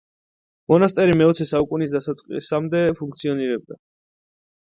მონასტერი მეოცე საუკუნის დასაწყისამდე ფუნქციონირებდა.